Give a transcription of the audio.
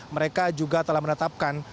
mereka juga telah menetapkan